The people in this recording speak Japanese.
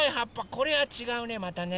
これはちがうねまたね。